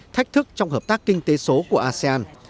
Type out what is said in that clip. thách thức trong hợp tác kinh tế số của asean